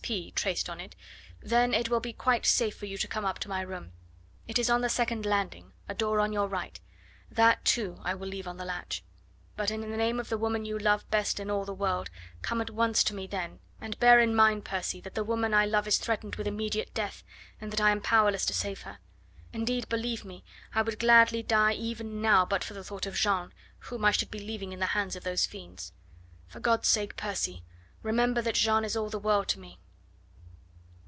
P. traced on it, then it will be quite safe for you to come up to my room. It is on the second landing a door on your right that too I will leave on the latch. But in the name of the woman you love best in all the world come at once to me then, and bear in mind, Percy, that the woman I love is threatened with immediate death, and that I am powerless to save her. Indeed, believe me, I would gladly die even now but for the thought of Jeanne, whom I should be leaving in the hands of those fiends. For God's sake, Percy, remember that Jeanne is all the world to me.